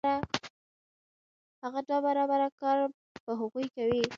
هغه دوه برابره کار په هغوی کوي